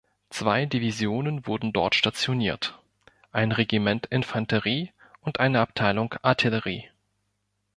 Zwei Divisionen wurden dort stationiert: Ein Regiment Infanterie und eine Abteilung Artillerie.